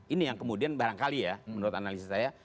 ini yang kemudian barangkali ya menurut analisis saya